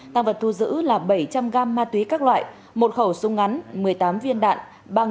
tăng vật thu giữ là bảy trăm linh gam ma túy các loại một khẩu súng ngắn một mươi tám viên đạn